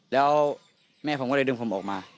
แล้วแม่ผมก็เลยดึงผมออกมา